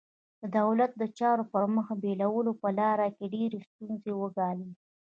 د دولت د چارو پر مخ بیولو په لاره کې یې ډېرې ستونزې وګاللې.